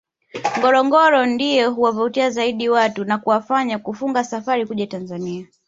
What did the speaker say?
Ngorongoro ndiyo huwavutia zaidi watu na kuwafanya kufunga safari kuja Tanzania